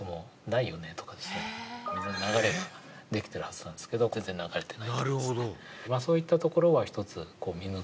水の流れができてるはずなんですけど全然流れてないとかですね。